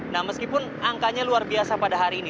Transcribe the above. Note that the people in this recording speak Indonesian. nah meskipun angkanya luar biasa pada hari ini